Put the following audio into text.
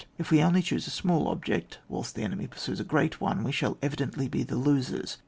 If we only choose a small ob ject, whilst the enemy pursues a great one, we shall evidently be the losers. .